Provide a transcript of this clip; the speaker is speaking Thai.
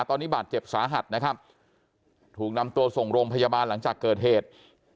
ตอนนี้บาดเจ็บสาหัสนะครับถูกนำตัวส่งโรงพยาบาลหลังจากเกิดเหตุ